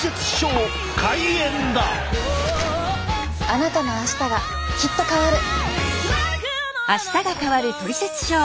あなたの明日がきっと変わる。